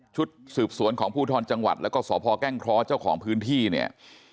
ชุดสืบสวนของภูทรจังหวัดแล้วก็สพแก้งเคราะห์เจ้าของพื้นที่เนี่ย